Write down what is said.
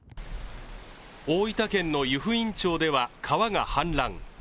大分県の湯布院町では川が氾濫。